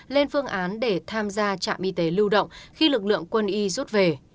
lên phương án để tham gia trạm y tế lưu động khi lực lượng quân y rút về